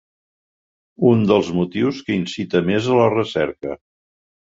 Un dels motius que incita més a la recerca.